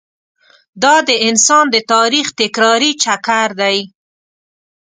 دا د انسان د تاریخ تکراري چکر دی.